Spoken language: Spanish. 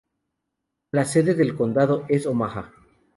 La sede del condado es Omaha.